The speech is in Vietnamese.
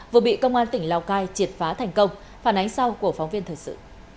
vừa bị công an tỉnh lào cai triệt phá thành công phản ánh sau của phóng viên thời sự